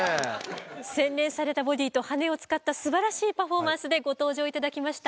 洗練されたボディーと羽を使ったすばらしいパフォーマンスでご登場頂きました